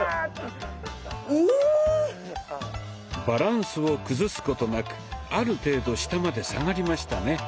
バランスを崩すことなくある程度下まで下がりましたね。